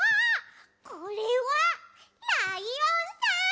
これはライオンさん？